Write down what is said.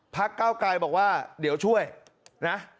เก้าไกรบอกว่าเดี๋ยวช่วยนะ